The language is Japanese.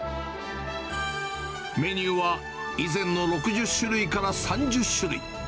メニューは以前の６０種類から３０種類。